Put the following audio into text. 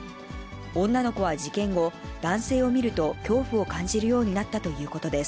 女の子は事件後、男性を見ると恐怖を感じるようになったということです。